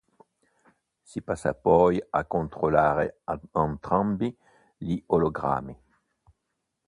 Si passa poi a controllare entrambi gli ologrammi.